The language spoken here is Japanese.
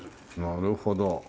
なるほど。